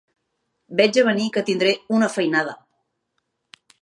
Veig a venir que tindré una feinada.